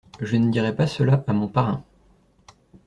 Je ne dirai pas cela à mon parrain.